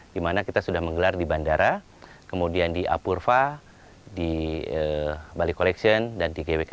dimana kita sudah menggelar di bandara kemudian di apurva di bali collection dan di gwk